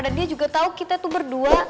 dan dia juga tau kita tuh berdua